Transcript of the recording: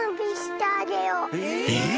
えっ？